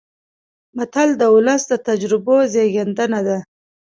متل د ولس د تجربو زېږنده ده